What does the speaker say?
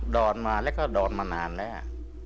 อนมาแล้วก็ดอนมานานแล้ว